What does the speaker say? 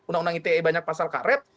undang undang ite banyak pasal karet